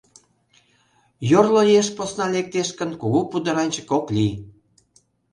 Йорло еш посна лектеш гын, кугу пудыранчык ок лий.